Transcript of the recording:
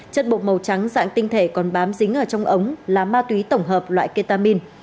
chất bột màu trắng dạng tinh thể còn bám dính ở trong ống là ma túy tổng hợp loại ketamin